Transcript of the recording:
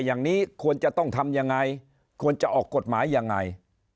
อย่างนี้ควรจะต้องทำยังไงควรจะออกกฎหมายยังไง